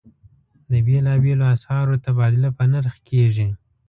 د بېلابېلو اسعارو تبادله په نرخ کېږي.